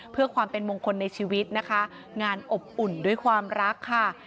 เพื่อความเป็นมงคลในชีวิตนะคะงานอบอุ่นด้วยความรักค่ะ